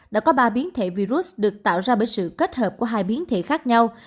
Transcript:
đã có ba biến thể virus được tạo ra bởi sự kết hợp của hai biến thể khác nhau